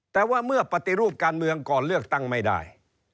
แต่ว่าเมื่อปฏิรูปการเมืองก่อนเลือกตั้งไม่ได้